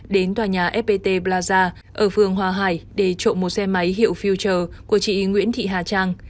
đến tòa nhà fpt plaza ở phường hòa hải để trộm một xe máy hiệu filter của chị nguyễn thị hà trang